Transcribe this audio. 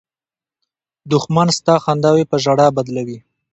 دښمن ستا خنداوې په ژړا بدلوي